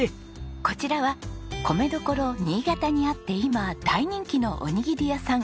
こちらは米どころ新潟にあって今大人気のおにぎり屋さん。